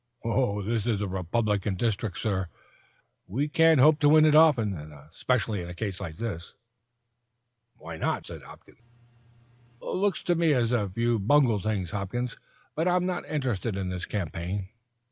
"Oh, this is a Republican district, sir. We can't hope to win it often, and especially in a case like this." "Why not?" "Looks to me as if you'd bungled things, Hopkins. But I'm not interested in this campaign.